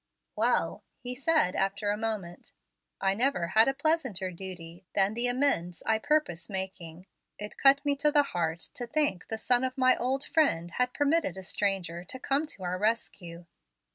"Well," he said, after a moment, "I never had a pleasanter duty than the amends I purpose making. It cut me to the heart to think the son of my old friend had permitted a stranger to come to our rescue."